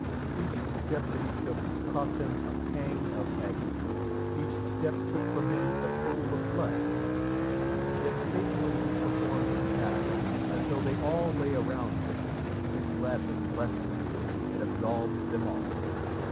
Each step that he took cost him a pang of agony; each step took from him a toll of blood. Yet faithfully he performed his task, until they all lay around Turpin, who gladly blessed them and absolved them all.